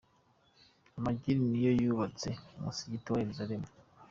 Amagini niyo yubatse umusigiti w’i Yerusalemu.